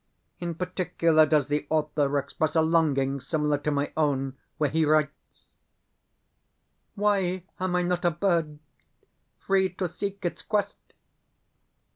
In particular does the author express a longing similar to my own, where he writes: "Why am I not a bird free to seek its quest?"